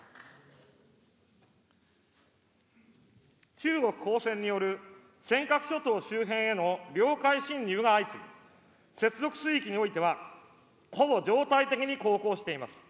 中国公船による尖閣諸島周辺への領海侵入が相次ぎ、接続水域においては、ほぼ常態的に航行しています。